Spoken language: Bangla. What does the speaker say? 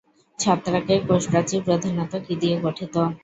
ছত্রাকের কোষপ্রাচীর প্রধানত কী দিয়ে গঠিত?